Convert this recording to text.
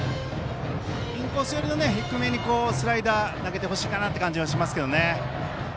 インコース寄りの低めにスライダーを投げてほしい感じですね。